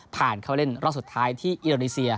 ผ่านเข้าเล่นรอบสุดท้ายที่อิตโลดิเซีย